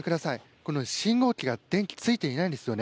この信号機が電気ついていないんですよね。